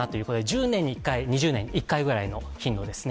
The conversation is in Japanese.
１０年に１回、２０年に１回ぐらいの頻度ですね。